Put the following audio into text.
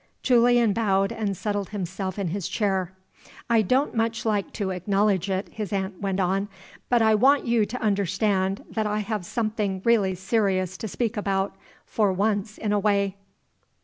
Julian bowed, and settled himself in his chair. "I don't much like to acknowledge it," his aunt went on. "But I want you to understand that I have something really serious to speak about, for once in a way.